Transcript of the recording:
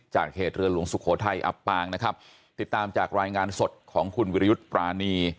เหตุเรือหลวงสุโขทัยอับปางนะครับติดตามจากรายงานสดของคุณวิรยุทธ์ปรานี